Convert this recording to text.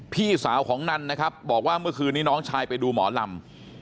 พี่สาวของนันนะครับบอกว่าเมื่อคืนนี้น้องชายไปดูหมอลำ